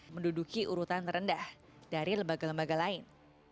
menduduki urutan terendah dari lembaga lembaga lain